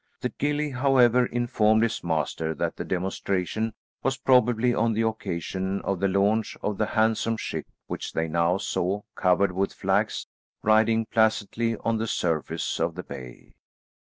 The gillie, however, informed his master that the demonstration was probably on the occasion of the launch of the handsome ship which they now saw, covered with flags, riding placidly on the surface of the bay.